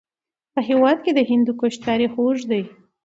په هېواد کې د هندوکش تاریخ اوږد دی.